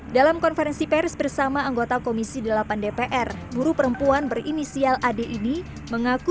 dalam konferensi pers bersama anggota komisi delapan dpr buru perempuan berinisial ad ini mengaku